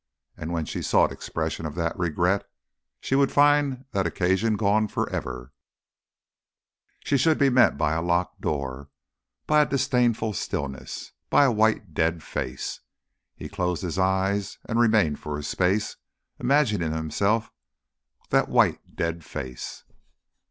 And when she sought expression for that regret, she would find that occasion gone forever, she should be met by a locked door, by a disdainful stillness, by a white dead face. He closed his eyes and remained for a space imagining himself that white dead face.